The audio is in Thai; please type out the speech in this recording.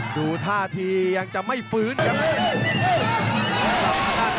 ดูท่าทียังจะไม่ฟื้นครับ